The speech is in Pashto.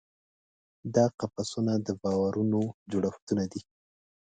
دا قفسونه د باورونو جوړښتونه دي.